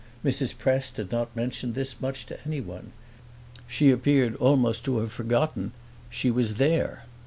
Mrs. Prest had not mentioned this much to anyone; she appeared almost to have forgotten she was there.